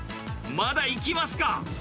まだいきますか。